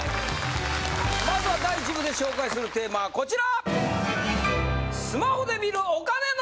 まずは第１部で紹介するテーマはこちら！